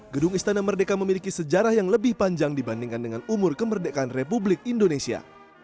gedung istana merdeka memiliki sejarah yang lebih panjang dibandingkan dengan umur kemerdekaan republik indonesia